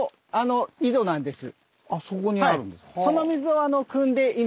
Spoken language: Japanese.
あそこにあるんですか。